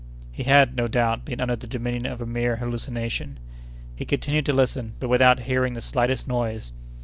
He had, no doubt, been under the dominion of a mere hallucination. He continued to listen, but without hearing the slightest noise.